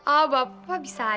ah bapak bisa aja sih pak